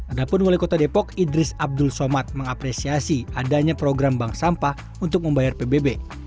adapun wali kota depok idris abdul somad mengapresiasi adanya program bank sampah untuk membayar pbb